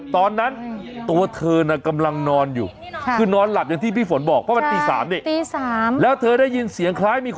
ตอนนั้นตัวเธอน่ะกำลังนอนอยู่คือนอนหลับอย่างที่พี่ฝนบอกเพราะมันตี๓เนี่ย